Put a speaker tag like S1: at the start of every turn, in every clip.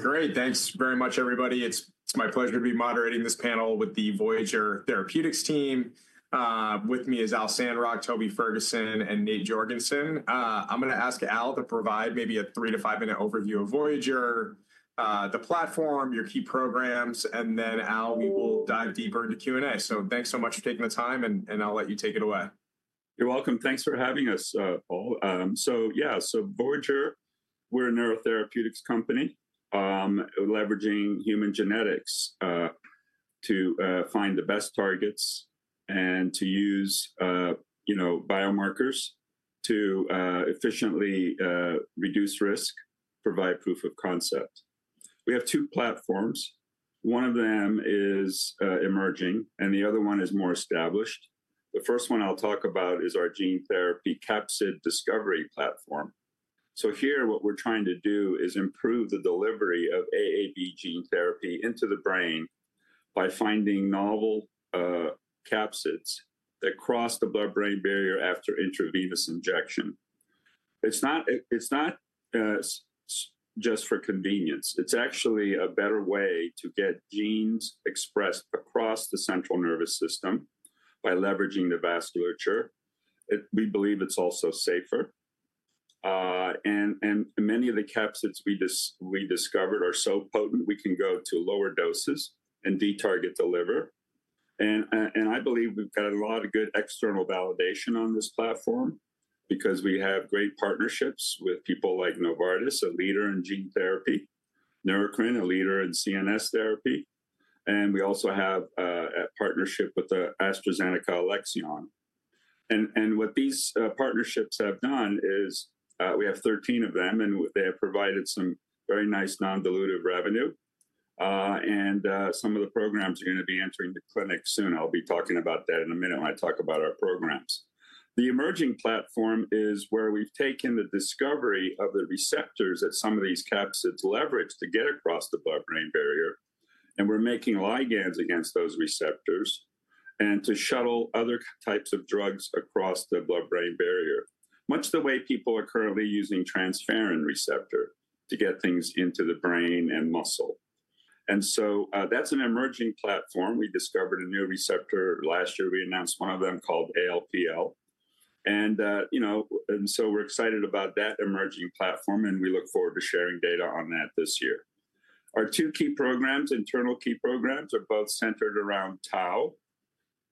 S1: Great. Thanks very much, everybody. It's my pleasure to be moderating this panel with the Voyager Therapeutics team. With me is Al Sandrock, Toby Ferguson, and Nate Jorgensen. I'm going to ask Al to provide maybe a three to five-minute overview of Voyager, the platform, your key programs, and then, Al, we will dive deeper into Q&A. Thanks so much for taking the time, and I'll let you take it away.
S2: You're welcome. Thanks for having us, Paul. Yeah, Voyager, we're a neurotherapeutics company leveraging human genetics to find the best targets and to use biomarkers to efficiently reduce risk, provide proof of concept. We have two platforms. One of them is emerging, and the other one is more established. The first one I'll talk about is our gene therapy capsid discovery platform. Here, what we're trying to do is improve the delivery of AAV gene therapy into the brain by finding novel capsids that cross the blood-brain barrier after intravenous injection. It's not just for convenience. It's actually a better way to get genes expressed across the central nervous system by leveraging the vasculature. We believe it's also safer. Many of the capsids we discovered are so potent, we can go to lower doses and detarget the liver. I believe we've got a lot of good external validation on this platform because we have great partnerships with people like Novartis, a leader in gene therapy, Neurocrine, a leader in CNS therapy. We also have a partnership with AstraZeneca Alexion. What these partnerships have done is we have 13 of them, and they have provided some very nice non-dilutive revenue. Some of the programs are going to be entering the clinic soon. I'll be talking about that in a minute when I talk about our programs. The emerging platform is where we've taken the discovery of the receptors that some of these capsids leverage to get across the blood-brain barrier. We're making ligands against those receptors to shuttle other types of drugs across the blood-brain barrier, much the way people are currently using transferrin receptors to get things into the brain and muscle. That is an emerging platform. We discovered a new receptor last year. We announced one of them called ALPL. We are excited about that emerging platform, and we look forward to sharing data on that this year. Our two key programs, internal key programs, are both centered around tau.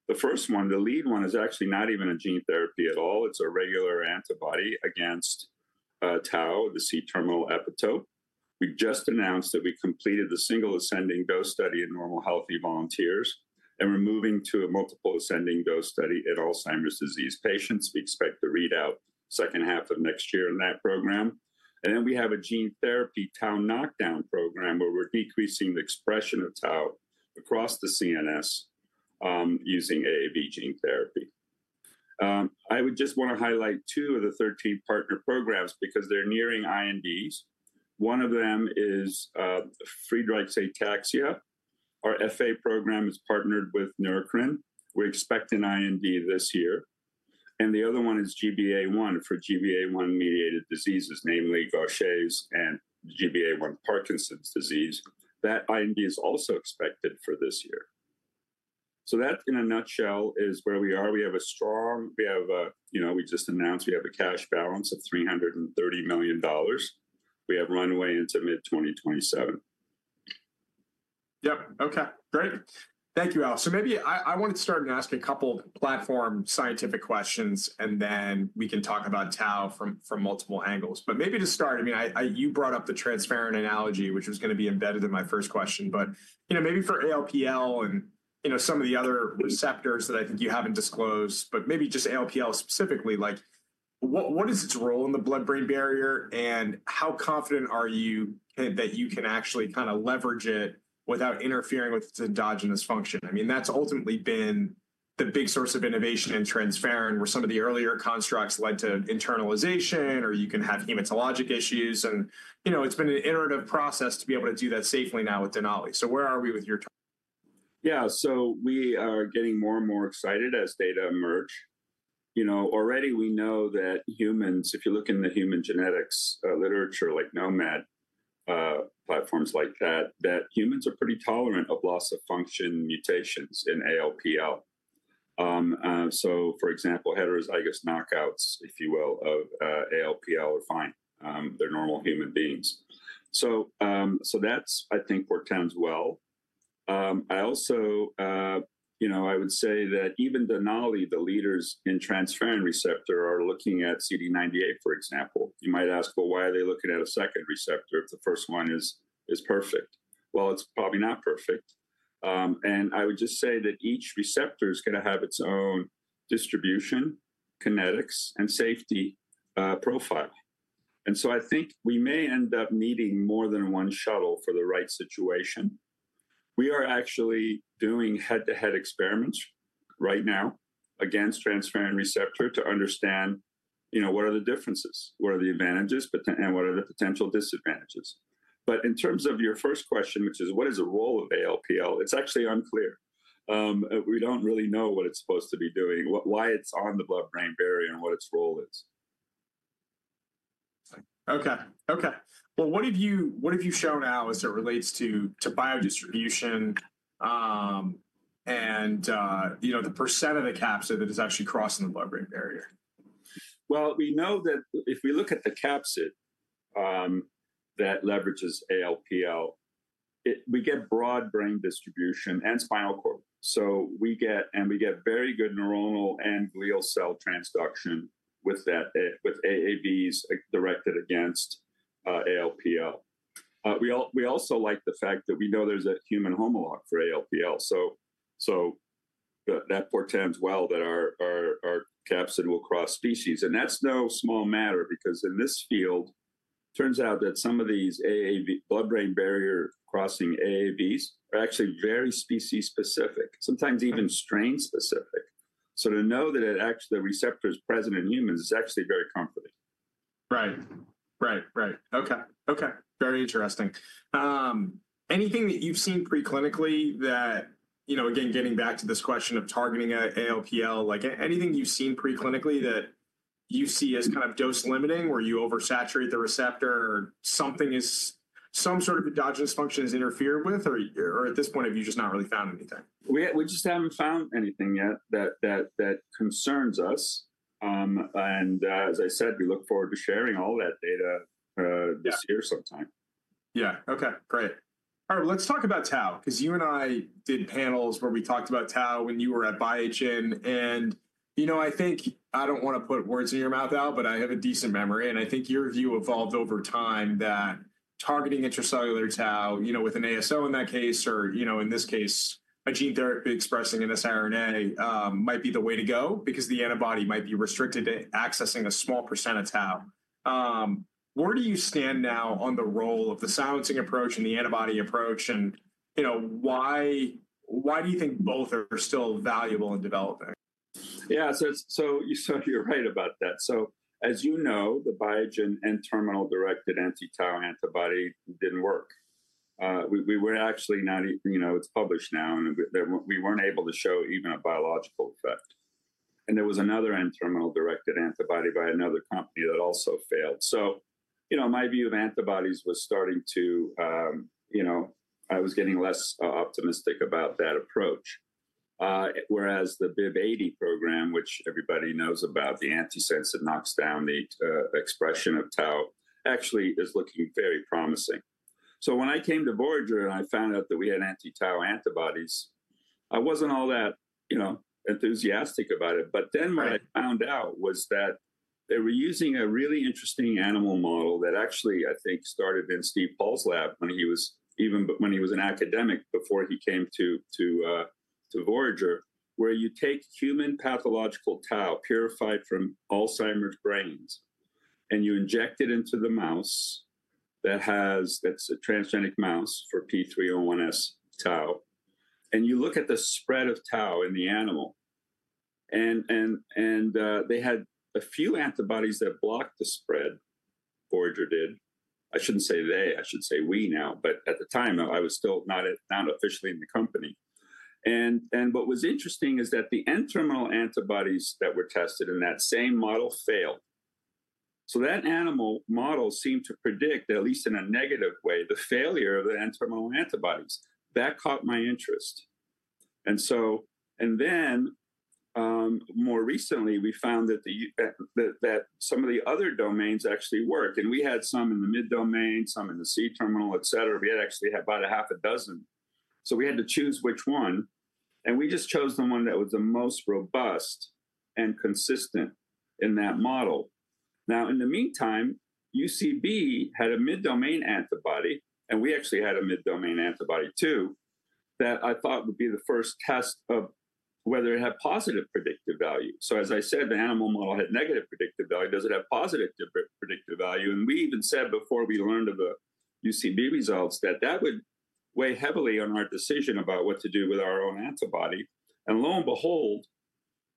S2: The first one, the lead one, is actually not even a gene therapy at all. It is a regular antibody against tau, the C-terminal epitope. We just announced that we completed the single ascending dose study in normal healthy volunteers, and we are moving to a multiple ascending dose study in Alzheimer's disease patients. We expect to read out the second half of next year in that program. We have a gene therapy tau knockdown program where we are decreasing the expression of tau across the CNS using AAV gene therapy. I would just want to highlight two of the 13 partner programs because they're nearing INDs. One of them is Friedreich's ataxia. Our FA program is partnered with Neurocrine. We're expecting IND this year. The other one is GBA1 for GBA1-mediated diseases, namely Gaucher's and GBA1 Parkinson's disease. That IND is also expected for this year. That, in a nutshell, is where we are. We have a strong—we just announced we have a cash balance of $330 million. We have runway into mid-2027.
S1: Yep. Okay. Great. Thank you, Al. Maybe I want to start and ask a couple of platform scientific questions, and then we can talk about tau from multiple angles. Maybe to start, I mean, you brought up the transferrin analogy, which was going to be embedded in my first question. Maybe for ALPL and some of the other receptors that I think you have not disclosed, but maybe just ALPL specifically, what is its role in the blood-brain barrier? How confident are you that you can actually kind of leverage it without interfering with its endogenous function? I mean, that has ultimately been the big source of innovation in transferrin, where some of the earlier constructs led to internalization, or you can have hematologic issues. It has been an iterative process to be able to do that safely now with Denali. Where are we with your time?
S2: Yeah. We are getting more and more excited as data emerge. Already, we know that humans—if you look in the human genetics literature, like gnomAD platforms like that—that humans are pretty tolerant of loss of function mutations in ALPL. For example, heterozygous knockouts, if you will, of ALPL are fine. They are normal human beings. That, I think, portends well. I would say that even Denali, the leaders in transferrin receptor, are looking at CD98, for example. You might ask, you know, why are they looking at a second receptor if the first one is perfect? It is probably not perfect. I would just say that each receptor is going to have its own distribution, kinetics, and safety profile. I think we may end up needing more than one shuttle for the right situation. We are actually doing head-to-head experiments right now against transferrin receptor to understand what are the differences, what are the advantages, and what are the potential disadvantages. In terms of your first question, which is, what is the role of ALPL? It's actually unclear. We don't really know what it's supposed to be doing, why it's on the blood-brain barrier, and what its role is.
S1: Okay. Okay. What have you shown, Al, as it relates to biodistribution and the percent of the capsid that is actually crossing the blood-brain barrier?
S2: We know that if we look at the capsid that leverages ALPL, we get broad brain distribution and spinal cord. We get very good neuronal and glial cell transduction with AAVs directed against ALPL. We also like the fact that we know there's a human homologue for ALPL. That portends well that our capsid will cross species. That's no small matter because in this field, it turns out that some of these blood-brain barrier crossing AAVs are actually very species-specific, sometimes even strain-specific. To know that the receptor is present in humans is actually very comforting.
S1: Right. Right. Right. Okay. Okay. Very interesting. Anything that you've seen preclinically that, again, getting back to this question of targeting ALPL, anything you've seen preclinically that you see as kind of dose-limiting where you oversaturate the receptor or some sort of endogenous function is interfered with? Or at this point, have you just not really found anything?
S2: We just haven't found anything yet that concerns us. As I said, we look forward to sharing all that data this year sometime.
S1: Yeah. Okay. Great. All right. Let's talk about tau because you and I did panels where we talked about tau when you were at Biogen. I think I do not want to put words in your mouth, Al, but I have a decent memory. I think your view evolved over time that targeting intracellular tau with an ASO in that case, or in this case, a gene therapy expressing an siRNA might be the way to go because the antibody might be restricted to accessing a small percent of tau. Where do you stand now on the role of the silencing approach and the antibody approach? Why do you think both are still valuable in developing?
S2: Yeah. You're right about that. As you know, the Biogen N-terminal directed anti-tau antibody didn't work. We were actually not—it's published now—and we weren't able to show even a biological effect. There was another N-terminal directed antibody by another company that also failed. My view of antibodies was starting to—I was getting less optimistic about that approach, whereas the BIIB080 program, which everybody knows about, the antisense that knocks down the expression of tau, actually is looking very promising. When I came to Voyager and I found out that we had anti-tau antibodies, I wasn't all that enthusiastic about it. What I found out was that they were using a really interesting animal model that actually, I think, started in Steve Paul's lab when he was an academic before he came to Voyager, where you take human pathological tau purified from Alzheimer's brains and you inject it into the mouse that's a transgenic mouse for P301S tau. You look at the spread of tau in the animal. They had a few antibodies that blocked the spread. Voyager did. I shouldn't say they. I should say we now. At the time, I was still not officially in the company. What was interesting is that the N-terminal antibodies that were tested in that same model failed. That animal model seemed to predict, at least in a negative way, the failure of the N-terminal antibodies. That caught my interest. More recently, we found that some of the other domains actually worked. We had some in the mid-domain, some in the C-terminal, etc. We actually had about half a dozen. We had to choose which one. We just chose the one that was the most robust and consistent in that model. In the meantime, UCB had a mid-domain antibody, and we actually had a mid-domain antibody too that I thought would be the first test of whether it had positive predictive value. As I said, the animal model had negative predictive value. Does it have positive predictive value? We even said before we learned of the UCB results that that would weigh heavily on our decision about what to do with our own antibody. Lo and behold,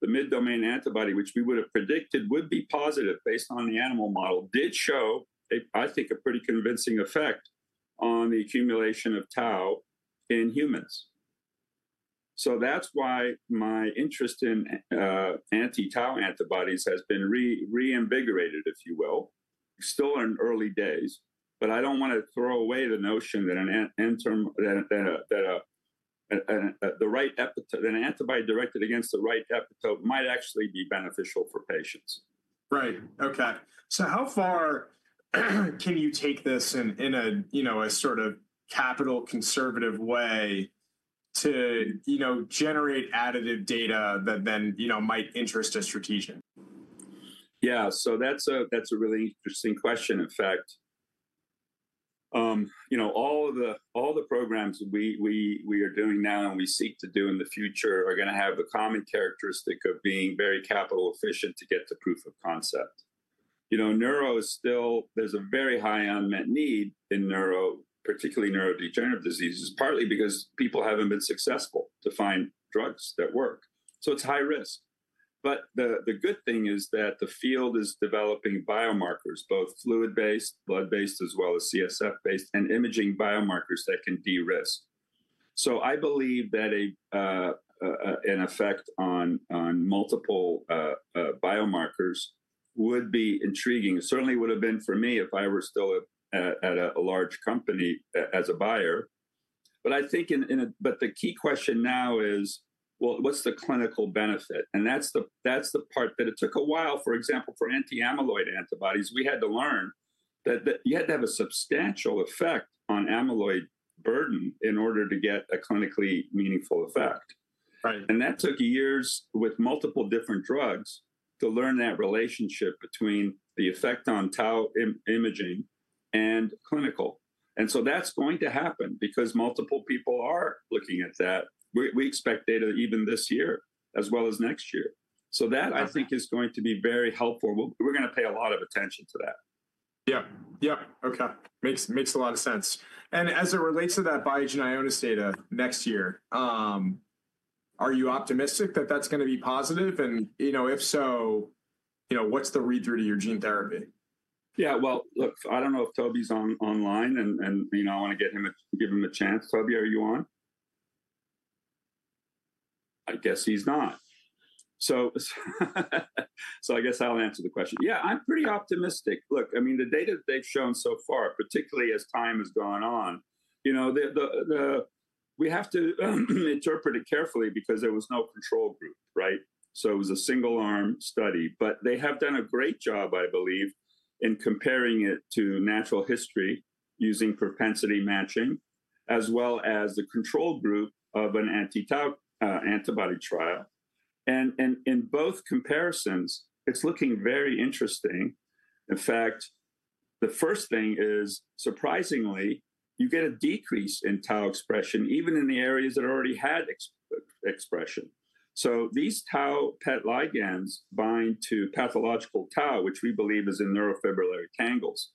S2: the mid-domain antibody, which we would have predicted would be positive based on the animal model, did show, I think, a pretty convincing effect on the accumulation of tau in humans. That is why my interest in anti-tau antibodies has been reinvigorated, if you will. We're still in early days. I do not want to throw away the notion that an antibody directed against the right epitope might actually be beneficial for patients.
S1: Right. Okay. How far can you take this in a sort of capital conservative way to generate additive data that then might interest a [strategian]?
S2: Yeah. So that's a really interesting question, in fact. All the programs we are doing now and we seek to do in the future are going to have the common characteristic of being very capital efficient to get to proof of concept. There's a very high unmet need in neuro, particularly neurodegenerative diseases, partly because people haven't been successful to find drugs that work. So it's high risk. The good thing is that the field is developing biomarkers, both fluid-based, blood-based, as well as CSF-based, and imaging biomarkers that can de-risk. I believe that an effect on multiple biomarkers would be intriguing. It certainly would have been for me if I were still at a large company as a buyer. I think the key question now is, well, what's the clinical benefit? That's the part that it took a while, for example, for anti-amyloid antibodies. We had to learn that you had to have a substantial effect on amyloid burden in order to get a clinically meaningful effect. That took years with multiple different drugs to learn that relationship between the effect on tau imaging and clinical. That is going to happen because multiple people are looking at that. We expect data even this year, as well as next year. That, I think, is going to be very helpful. We're going to pay a lot of attention to that.
S1: Yep. Yep. Okay. Makes a lot of sense. As it relates to that Biogen and Ionis data next year, are you optimistic that that's going to be positive? If so, what's the read-through to your gene therapy?
S2: Yeah. Look, I don't know if Toby's online, and I want to give him a chance. Toby, are you on? I guess he's not. I guess I'll answer the question. Yeah, I'm pretty optimistic. Look, I mean, the data that they've shown so far, particularly as time has gone on, we have to interpret it carefully because there was no control group, right? It was a single-arm study. They have done a great job, I believe, in comparing it to natural history using propensity matching, as well as the control group of an anti-tau antibody trial. In both comparisons, it's looking very interesting. In fact, the first thing is, surprisingly, you get a decrease in tau expression even in the areas that already had expression. These tau PET ligands bind to pathological tau, which we believe is in neurofibrillary tangles.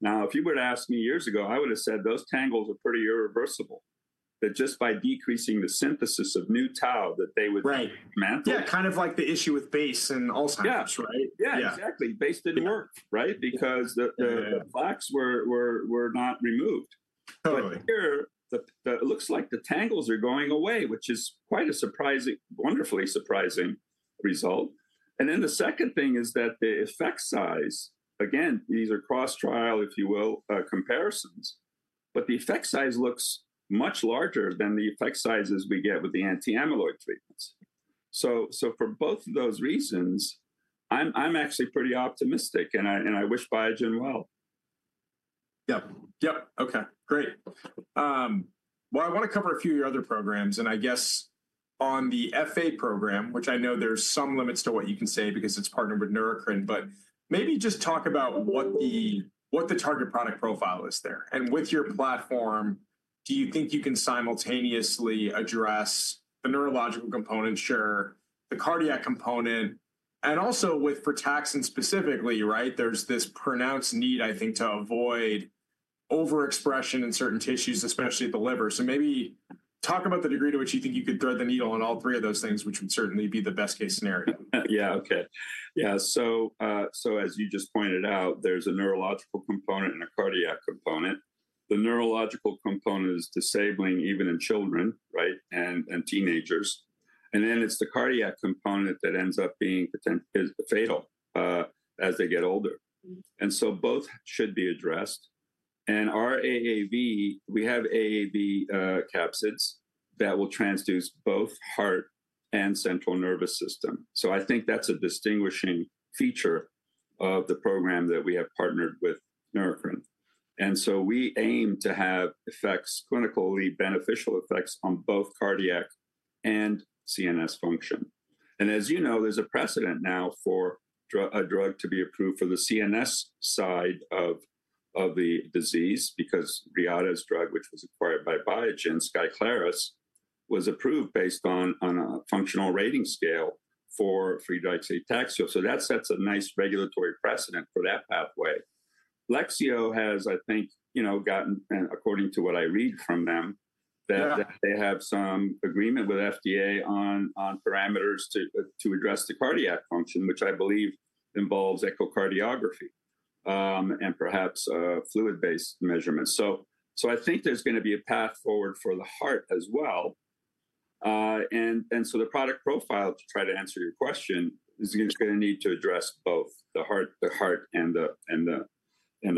S2: Now, if you were to ask me years ago, I would have said those tangles are pretty irreversible, that just by decreasing the synthesis of new tau that they would [mantle].
S1: Yeah. Kind of like the issue with BACE and Alzheimer's, right?
S2: Yeah. Yeah. Exactly. BACE did not work, right? Because the plaques were not removed. Here, it looks like the tangles are going away, which is quite a wonderfully surprising result. The second thing is that the effect size, again, these are cross-trial, if you will, comparisons. The effect size looks much larger than the effect sizes we get with the anti-amyloid treatments. For both of those reasons, I am actually pretty optimistic, and I wish Biogen well.
S1: Yep. Yep. Okay. Great. I want to cover a few of your other programs. I guess on the FA program, which I know there's some limits to what you can say because it's partnered with Neurocrine, maybe just talk about what the target product profile is there. With your platform, do you think you can simultaneously address the neurological component, sure, the cardiac component? Also with frataxin specifically, right? There's this pronounced need, I think, to avoid overexpression in certain tissues, especially the liver. Maybe talk about the degree to which you think you could thread the needle on all three of those things, which would certainly be the best-case scenario.
S2: Yeah. Okay. Yeah. As you just pointed out, there's a neurological component and a cardiac component. The neurological component is disabling even in children, right, and teenagers. It is the cardiac component that ends up being fatal as they get older. Both should be addressed. Our AAV, we have AAV capsids that will transduce both heart and central nervous system. I think that's a distinguishing feature of the program that we have partnered with Neurocrine. We aim to have clinically beneficial effects on both cardiac and CNS function. As you know, there's a precedent now for a drug to be approved for the CNS side of the disease because SKYCLARYS, which was acquired by Voyager, was approved based on a functional rating scale for Friedreich's ataxia. That sets a nice regulatory precedent for that pathway. Alexion has, I think, gotten, according to what I read from them, that they have some agreement with the FDA on parameters to address the cardiac function, which I believe involves echocardiography and perhaps fluid-based measurements. I think there's going to be a path forward for the heart as well. The product profile, to try to answer your question, is going to need to address both the heart and the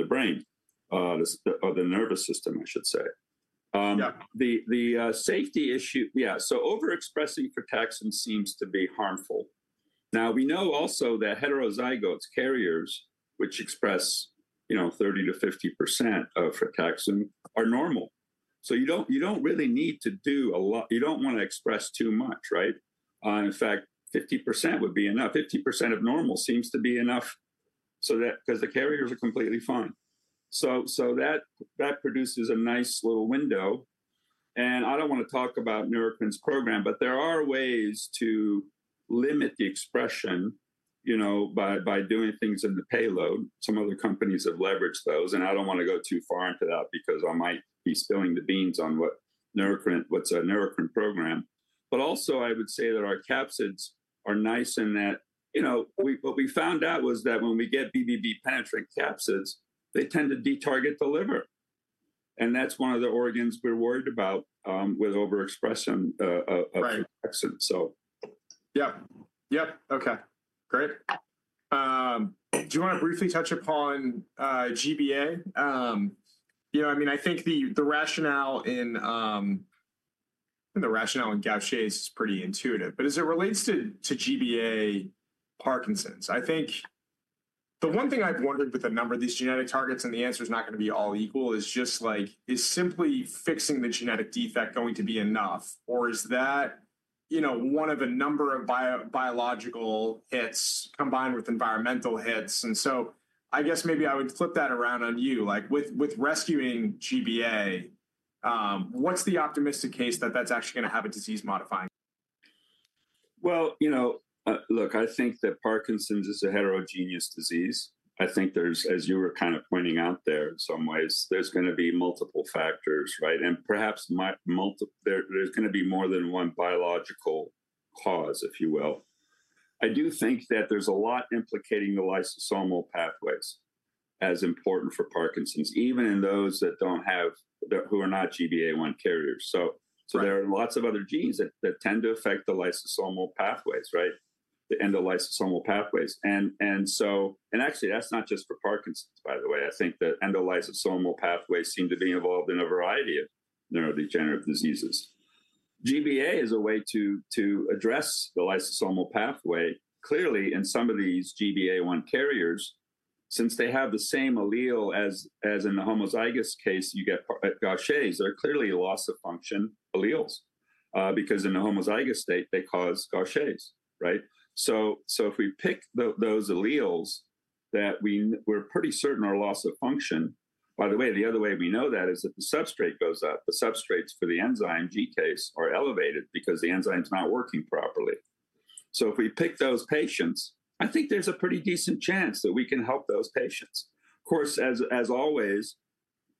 S2: brain or the nervous system, I should say. The safety issue, yeah. Overexpressing frataxin seems to be harmful. Now, we know also that heterozygote carriers, which express 30%-50% of frataxin, are normal. You don't really need to do a lot. You don't want to express too much, right? In fact, 50% would be enough. 50% of normal seems to be enough because the carriers are completely fine. That produces a nice little window. I do not want to talk about Neurocrine's program, but there are ways to limit the expression by doing things in the payload. Some other companies have leveraged those. I do not want to go too far into that because I might be spilling the beans on what is a Neurocrine program. I would also say that our capsids are nice in that what we found out was that when we get BBB-penetrant capsids, they tend to detarget the liver. That is one of the organs we are worried about with overexpression of frataxin.
S1: Yep. Yep. Okay. Great. Do you want to briefly touch upon GBA? I mean, I think the rationale in Gaucher's is pretty intuitive. As it relates to GBA Parkinson's, I think the one thing I've wondered with a number of these genetic targets, and the answer is not going to be all equal, is just like, is simply fixing the genetic defect going to be enough? Or is that one of a number of biological hits combined with environmental hits? I guess maybe I would flip that around on you. With rescuing GBA, what's the optimistic case that that's actually going to have a disease modifying?
S2: I think that Parkinson's is a heterogeneous disease. I think there's, as you were kind of pointing out there in some ways, there's going to be multiple factors, right? Perhaps there's going to be more than one biological cause, if you will. I do think that there's a lot implicating the lysosomal pathways as important for Parkinson's, even in those that are not GBA1 carriers. There are lots of other genes that tend to affect the lysosomal pathways, the endolysosomal pathways. Actually, that's not just for Parkinson's, by the way. I think the endolysosomal pathways seem to be involved in a variety of neurodegenerative diseases. GBA is a way to address the lysosomal pathway. Clearly, in some of these GBA1 carriers, since they have the same allele as in the homozygous case you get at Gaucher, they're clearly loss-of-function alleles because in the homozygous state, they cause Gaucher, right? If we pick those alleles that we're pretty certain are loss-of-function, by the way, the other way we know that is that the substrate goes up. The substrates for the enzyme, GCase, are elevated because the enzyme's not working properly. If we pick those patients, I think there's a pretty decent chance that we can help those patients. Of course, as always,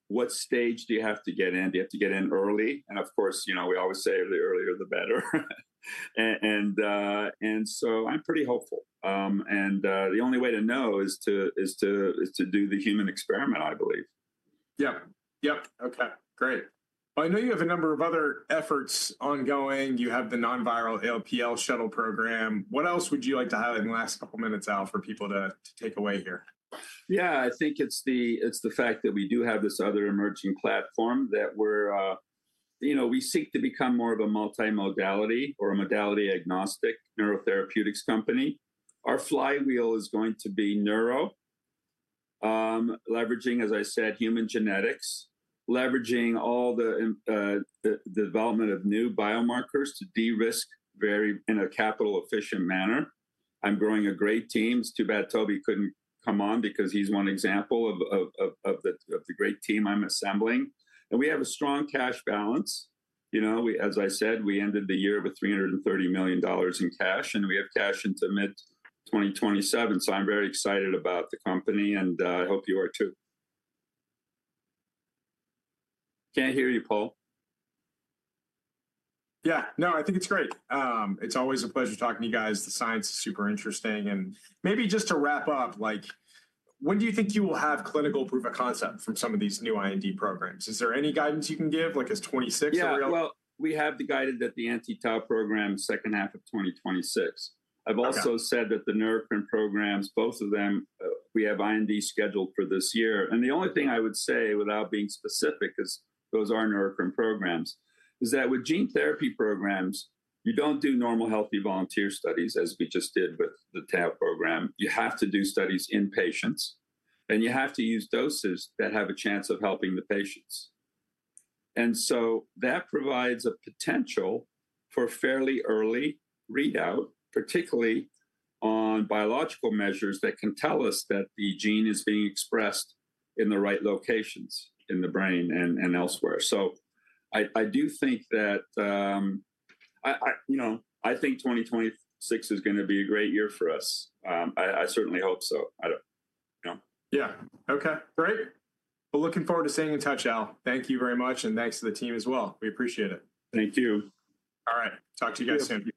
S2: what stage do you have to get in? Do you have to get in early? Of course, we always say the earlier, the better. I'm pretty hopeful. The only way to know is to do the human experiment, I believe.
S1: Yep. Yep. Okay. Great. I know you have a number of other efforts ongoing. You have the non-viral ALPL shuttle program. What else would you like to highlight in the last couple of minutes, Al, for people to take away here?
S2: Yeah. I think it's the fact that we do have this other emerging platform that we seek to become more of a multi-modality or a modality-agnostic neurotherapeutics company. Our flywheel is going to be neuro, leveraging, as I said, human genetics, leveraging all the development of new biomarkers to de-risk in a capital-efficient manner. I'm growing a great team. It's too bad Toby couldn't come on because he's one example of the great team I'm assembling. We have a strong cash balance. As I said, we ended the year with $330 million in cash, and we have cash into mid-2027. I am very excited about the company, and I hope you are too. Can't hear you, Paul.
S1: Yeah. No, I think it's great. It's always a pleasure talking to you guys. The science is super interesting. Maybe just to wrap up, when do you think you will have clinical proof of concept from some of these new IND programs? Is there any guidance you can give? Like as 2026, are we all?
S2: Yeah. We have the guidance that the anti-tau program is second half of 2026. I've also said that the Neurocrine programs, both of them, we have IND scheduled for this year. The only thing I would say without being specific, because those are Neurocrine programs, is that with gene therapy programs, you don't do normal healthy volunteer studies, as we just did with the tau program. You have to do studies in patients, and you have to use doses that have a chance of helping the patients. That provides a potential for fairly early readout, particularly on biological measures that can tell us that the gene is being expressed in the right locations in the brain and elsewhere. I do think that I think 2026 is going to be a great year for us. I certainly hope so. I don't know.
S1: Yeah. Okay. Great. Looking forward to staying in touch, Al. Thank you very much, and thanks to the team as well. We appreciate it.
S2: Thank you.
S1: All right. Talk to you guys soon.